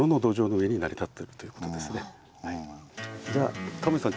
じゃあタモリさん